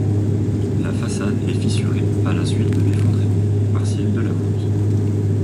La façade est fissurée, à la suite de l'effondrement partiel de la voûte.